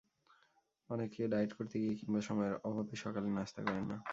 অনেকে ডায়েট করতে গিয়ে কিংবা সময়ের অভাবে সকালে নাশতা করেন না।